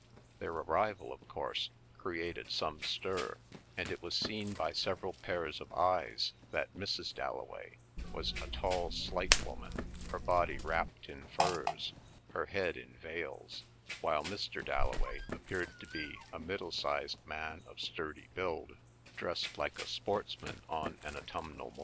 Their arrival, of course, created some stir, and it was seen by several pairs of eyes that Mrs. Dalloway was a tall slight woman, her body wrapped in furs, her head in veils, while Mr. Dalloway appeared to be a middle sized man of sturdy build, dressed like a sportsman on an autumnal moor.